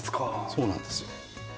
そうなんですよ。